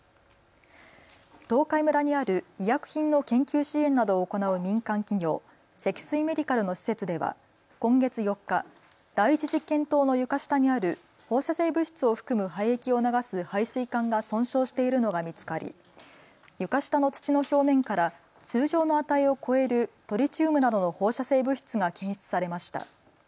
東海村にある医薬品の研究支援などを行う民間企業、積水メディカルの施設では今月４日、第１実験棟の床下にある放射性物質を含む廃液を流す排水管が損傷しているのが見つかり床下の土の表面から通常の値を超えるトリチウムなどの放射性物質が検出されました。